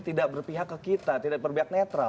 tidak berpihak ke kita tidak berpihak netral